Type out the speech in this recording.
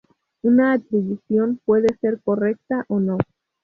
Una atribución puede ser correcta o no.